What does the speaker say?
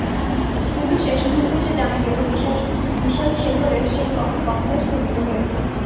কিন্তু শেষ মুহূর্তে এসে জানা গেল, বিশাল-শেখরের সেই কনসার্ট স্থগিত করা হয়েছে।